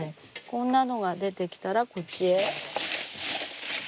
こんなのが出てきたらこっちへ。